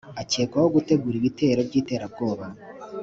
akekwaho gutegura ibitero by’iterabwoba